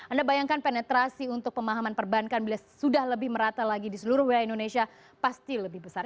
anda bayangkan penetrasi untuk pemahaman perbankan bila sudah lebih merata lagi di seluruh wilayah indonesia pasti lebih besar